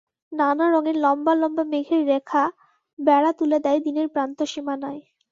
নানা রঙের লম্বা লম্বা মেঘের রেখা বেড়া তুলে দেয় দিনের প্রান্তসীমানায়।